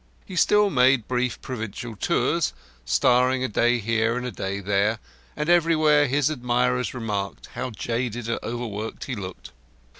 He still made brief provincial tours, starring a day here and a day there, and everywhere his admirers remarked how jaded and overworked he looked.